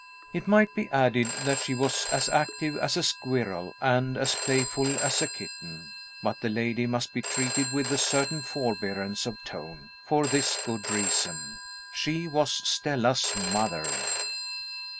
It might be added that she was as active as a squirrel and as playful as a kitten. But the lady must be treated with a certain forbearance of tone, for this good reason she was Stella's mother.